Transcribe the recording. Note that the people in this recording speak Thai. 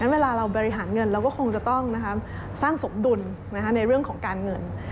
เวลาเราบริหารเงินเราก็คงจะต้องสร้างสมดุลในเรื่องของการเงิน